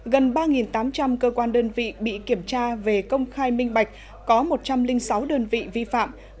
gần ba tám trăm linh cơ quan đơn vị bị kiểm tra về công khai minh bạch có một trăm linh sáu đơn vị vi phạm